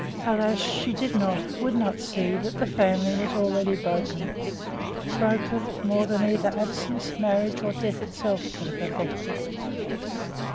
Alas! she did not, would not see that the family was already "broken." Broken, more than either absence, marriage, or death itself could have effected.